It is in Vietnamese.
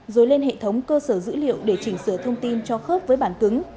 rồi lên hệ thống cơ sở dữ liệu để chỉnh sửa thông tin cho khớp với bản cứng